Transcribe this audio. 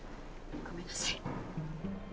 ごめんなさい。